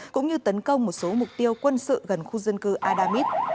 cũng như tấn công một số mục tiêu quân sự gần khu dân cư adamit